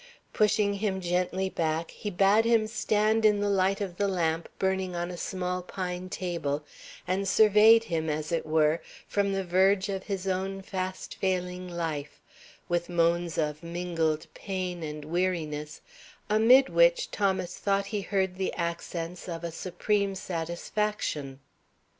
Pushing him gently back, he bade him stand in the light of the lamp burning on a small pine table, and surveyed him, as it were, from the verge of his own fast failing life, with moans of mingled pain and weariness, amid which Thomas thought he heard the accents of a supreme satisfaction.